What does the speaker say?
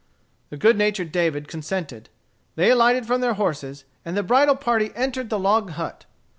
The good natured David consented. They alighted from their horses, and the bridal party entered the log hut.